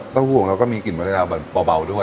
เต้าหู้ของเราก็มีกลิ่นวานิลาเบาด้วย